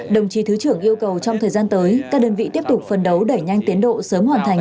đồng chí thứ trưởng yêu cầu trong thời gian tới các đơn vị tiếp tục phân đấu đẩy nhanh tiến độ sớm hoàn thành